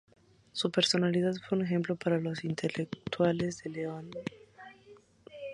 Su personalidad fue un ejemplo para los intelectuales de León, ciudad donde residía.